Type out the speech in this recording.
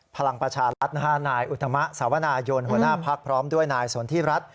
พลังประชารัฐนายอุตมะสาวนายนหัวหน้าพักพร้อมด้วยนายสนทิรัฐ